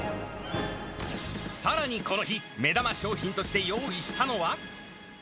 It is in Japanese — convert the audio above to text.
さらにこの日、目玉商品として用意したのは。